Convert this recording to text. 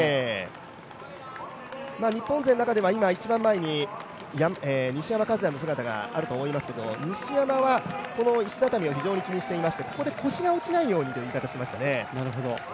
日本勢の中では今一番前に西山和弥の姿があると思いますけれども、西山はこの石畳を非常に気にしていましてここで腰が落ちないようにという言い方をしましたね。